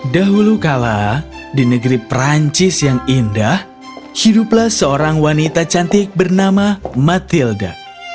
dahulu kala di negeri perancis yang indah hiduplah seorang wanita cantik bernama mathilda